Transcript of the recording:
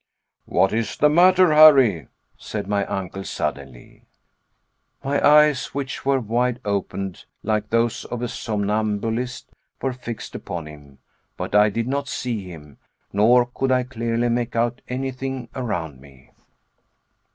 "What is the matter, Harry?" said my uncle suddenly. My eyes, which were wide opened like those of a somnambulist, were fixed upon him, but I did not see him, nor could I clearly make out anything around me.